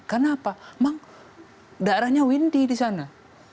kenapa emang daerahnya windy di sana